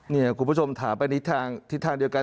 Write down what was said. นี่คุณผู้ชมถามไปทิศทางเดียวกัน